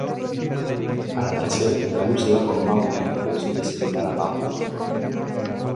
Al amanecer, Baloo se va con Mowgli, pero sin decirle nada a Mowgli.